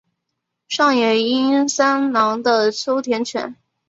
上野英三郎的秋田犬。